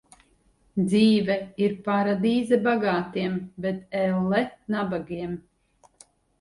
Dzīve ir paradīze bagātiem, bet elle nabagiem.